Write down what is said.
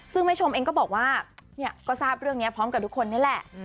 ซึ่งแม่ชมเองก็บอกว่าก็ทราบเรื่องนี้พร้อมกับทุกคนนี่แหละ